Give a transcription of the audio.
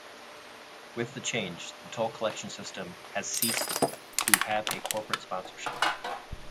With the change, the toll collection system has ceased to have corporate sponsorship.